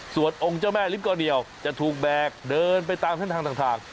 ส่วนองค์เจ้าแม่ลิฟกอเหนียวจะถูกแบกเดินไปตามเส้นทางต่าง